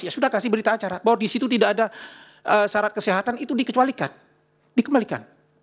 ya sudah kasih berita acara bahwa di situ tidak ada syarat kesehatan itu dikecualikan dikembalikan